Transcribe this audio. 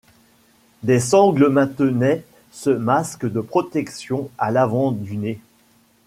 Des sangles maintenaient ce masque de protection à l'avant du nez.